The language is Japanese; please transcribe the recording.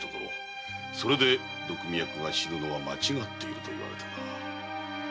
「それでお毒味役が死ぬのは間違っている」と言われてな。